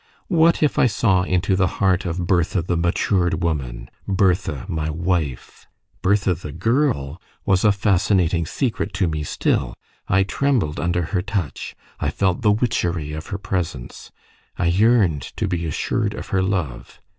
What if I saw into the heart of Bertha, the matured woman Bertha, my wife? Bertha, the girl, was a fascinating secret to me still: I trembled under her touch; I felt the witchery of her presence; I yearned to be assured of her love.